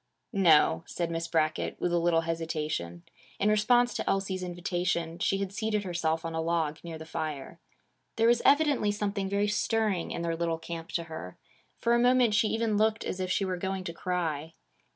'No,' said Miss Brackett, with a little hesitation. In response to Elsie's invitation, she had seated herself on a log, near the fire. There was evidently something very stirring in their little camp to her. For a moment she even looked as if she were going to cry.